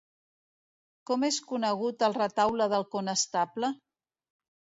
Com és conegut el Retaule del Conestable?